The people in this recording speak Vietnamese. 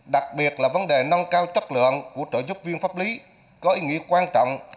đặc biệt là vấn đề nâng cao chất lượng của trợ giúp viên pháp lý có ý nghĩa quan trọng